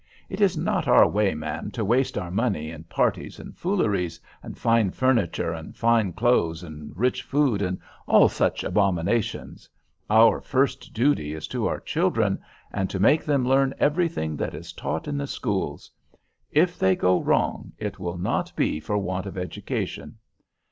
It is not our way, ma'am, to waste our money in parties and fooleries, and fine furniture and fine clothes, and rich food, and all such abominations. Our first duty is to our children, and to make them learn everything that is taught in the schools. If they go wrong, it will not be for want of education.